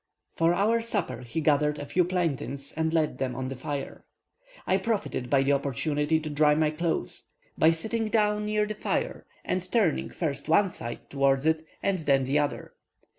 For our supper, he gathered a few plantains and laid them on the fire. I profited by the opportunity to dry my clothes, by sitting down near the fire, and turning first one side towards it, and then the other.